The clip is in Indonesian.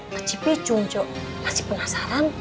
ke cipicung cok masih penasaran